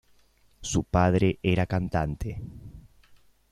Su padre era cantante.